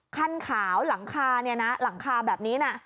ขั้นขาวหลังคาแบบนี้